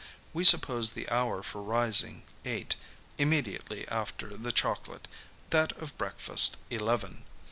We suppose the hour for rising eight, immediately after the chocolate, that of breakfast eleven.